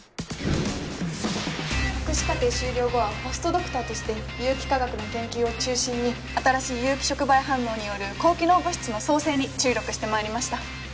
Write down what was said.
博士課程修了後はポストドクターとして有機化学の研究を中心に新しい有機触媒反応による高機能物質の創製に注力してまいりました。